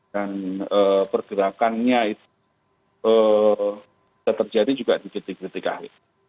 dan pergerakannya terjadi juga di ketika ketika ini